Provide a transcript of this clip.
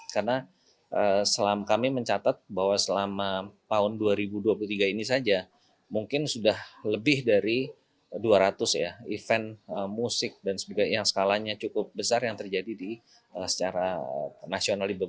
karena kami mencatat bahwa selama tahun dua ribu dua puluh tiga ini saja mungkin sudah lebih dari dua ratus event musik dan sebagainya yang skalanya cukup besar yang terjadi secara nasional